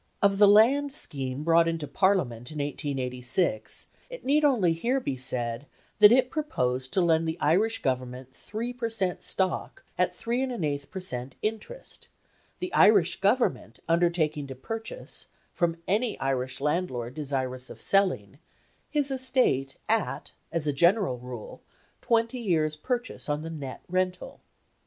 Of the land scheme brought into Parliament in 1886, it need only here be said that it proposed to lend the Irish Government 3 per cent. stock at 3 1/8 per cent. interest, the Irish Government undertaking to purchase, from any Irish landlord desirous of selling, his estate at (as a general rule) twenty years' purchase on the net rental.